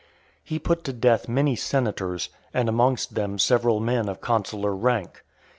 He put to death many senators, and amongst them several men of consular rank.